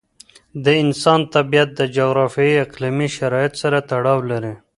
د انسان طبیعت د جغرافیایي او اقليمي شرایطو سره تړاو لري.